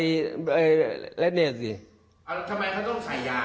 ทำไมเขาต้องใส่ยาครับพี่